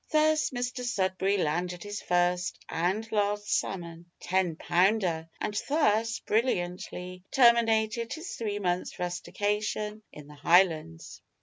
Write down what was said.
Thus Mr Sudberry landed his first and last salmon a ten pounder and thus, brilliantly, terminated his three months' rustication in the Highlands.